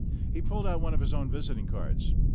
He pulled out one of his own visiting cards.